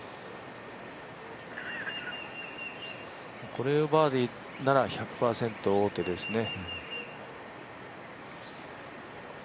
これをバーディーなら１００％王手ですね。